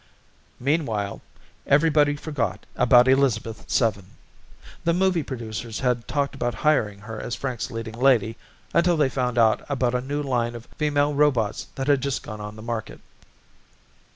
Meanwhile everybody forgot about Elizabeth Seven. The movie producers had talked about hiring her as Frank's leading lady until they found out about a new line of female robots that had just gone on the market.